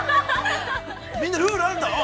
みんなルールがあるんだ。